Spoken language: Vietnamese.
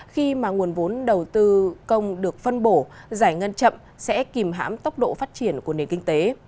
khi mà nguồn vốn đầu tư công được phân bổ giải ngân chậm sẽ kìm hãm tốc độ phát triển của nền kinh tế